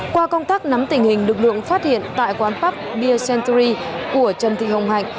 qua công tác nắm tình hình lực lượng phát hiện tại quán pub beer century của trần thị hồng hạnh